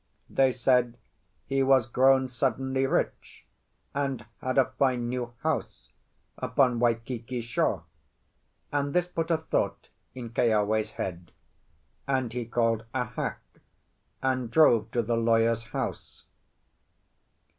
They said he was grown suddenly rich, and had a fine new house upon Waikiki shore; and this put a thought in Keawe's head, and he called a hack and drove to the lawyer's house.